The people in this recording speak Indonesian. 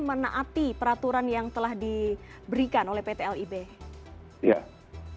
menaati peraturan yang telah diberikan oleh pt lib